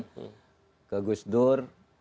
kemudian ke gusdur